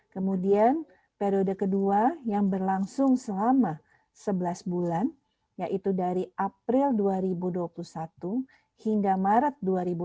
kemudian periode kedua yang berlangsung selama sebelas bulan yaitu dari april dua ribu dua puluh satu hingga maret dua ribu dua puluh